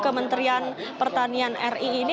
kementerian pertanian ri ini